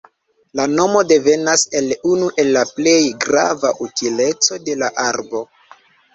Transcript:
La nomo devenas el unu el la plej grava utileco de la arbo.